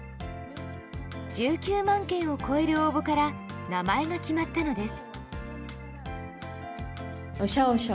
１９万件を超える応募から名前が決まったのです。